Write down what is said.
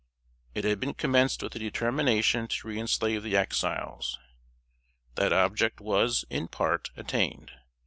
It had been commenced with a determination to reënslave the Exiles. That object was, in part, attained.